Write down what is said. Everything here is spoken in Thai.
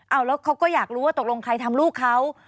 เอาแล้วเขาก็อยากรู้ว่าตกลงใครทำลูกเขา